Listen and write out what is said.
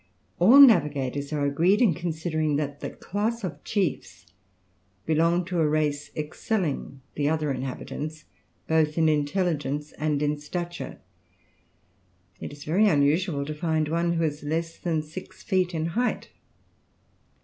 All navigators are agreed in considering that the class of chiefs belong to a race excelling the other inhabitants, both in intelligence and in stature. It is very unusual to find one who is less than six feet in height.